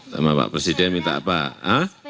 sama pak presiden minta apa ah